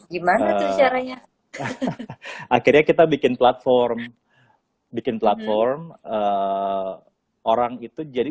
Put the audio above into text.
gimana tuh caranya akhirnya kita bikin platform bikin platform orang itu jadi